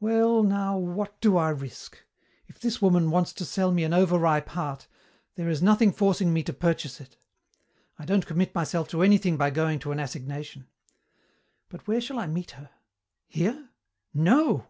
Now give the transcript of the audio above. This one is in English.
"Well now, what do I risk? If this woman wants to sell me an over ripe heart, there is nothing forcing me to purchase it. I don't commit myself to anything by going to an assignation. But where shall I meet her? Here? No!